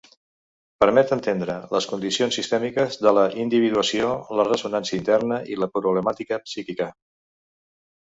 Permet entendre les condicions sistèmiques de la individuació, la ressonància interna i la problemàtica psíquica.